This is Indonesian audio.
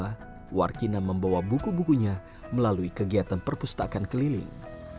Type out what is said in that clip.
setelah itu warung baca membawa buku bukunya melalui kegiatan perpustakaan keliling